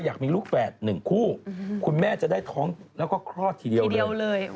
อยากมีลูกแฝด๑คู่คุณแม่จะได้ท้องแล้วก็คลอดทีเดียวเลย